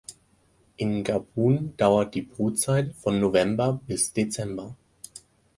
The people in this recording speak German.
In Gabun dauert die Brutzeit von November bis Dezember.